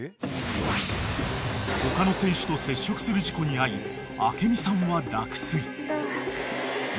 ［他の選手と接触する事故に遭い明美さんは落水］